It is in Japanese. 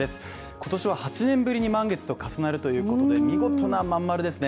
今年は８年ぶりに満月と重なるということで見事な真ん丸ですね